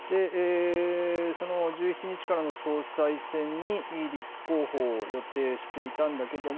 その１７日からの総裁選に立候補を予定していたんだけれども